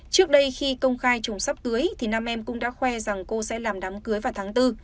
trước đây khi công khai trùng sắp tưới thì nam em cũng đã khoe rằng cô sẽ làm đám cưới vào tháng bốn